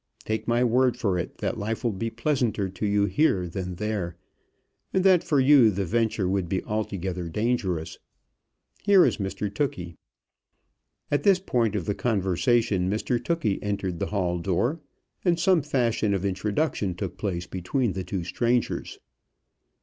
Take my word for it, that life will be pleasanter to you here than there, and that for you the venture would be altogether dangerous. Here is Mr Tookey." At this point of the conversation, Mr Tookey entered the hall door, and some fashion of introduction took place between the two strangers.